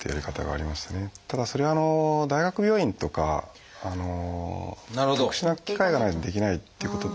ただそれは大学病院とか特殊な機械がないとできないっていうことと。